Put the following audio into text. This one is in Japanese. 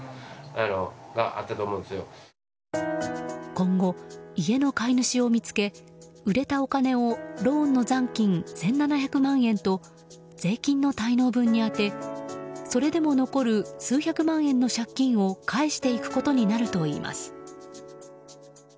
今後、家の買い主を見つけ売れたお金をローンの残金１７００万円と税金の滞納分に充てそれでも残る数百万円の借金を返していくことになるといいます。